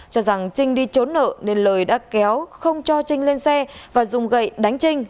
cho rằng trinh đi trốn nợ nên lời đã kéo không cho trinh lên xe và dùng gậy đánh trinh